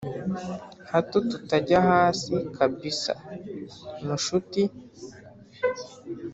hato tutajya hasi kabisa mushuti